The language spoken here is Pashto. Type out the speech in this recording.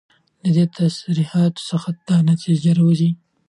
له دي تصريحاتو څخه دا نتيجه راوځي